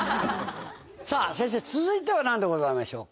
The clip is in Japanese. さぁ先生続いては何でございましょうか？